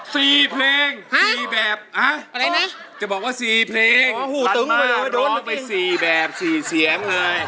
เพลงสี่แบบอ่ะอะไรนะจะบอกว่าสี่เพลงโอ้โหโดนไปสี่แบบสี่เสียงเลย